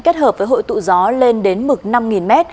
kết hợp với hội tụ gió lên đến mực năm m